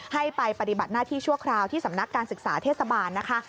ให้ไปปฏิบัติหน้าที่ชั่วคราวที่สำนักการศึกษาเทศบาลนะคะ